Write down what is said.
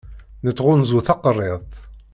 Nettɣunzu takerriḍt.